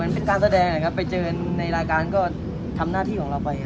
เป็นการแสดงนะครับไปเจอในรายการก็ทำหน้าที่ของเราไป